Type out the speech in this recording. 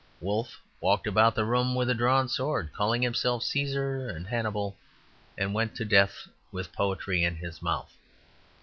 Wolfe walked about the room with a drawn sword calling himself Caesar and Hannibal, and went to death with poetry in his mouth.